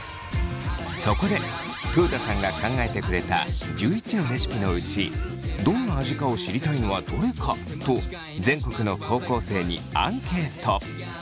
そこで豊田さんが考えてくれた１１のレシピのうちどんな味かを知りたいのはどれか？と全国の高校生にアンケート。